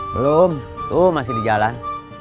belum tuh masih di jalan